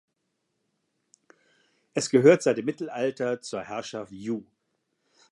Es gehörte seit dem Mittelalter zur Herrschaft Joux.